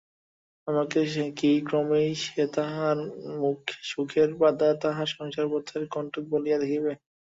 আমাকে কি ক্রমেই সে তাহার সুখের বাধা তাহার সংসার-পথের কন্টক বলিয়া দেখিবে?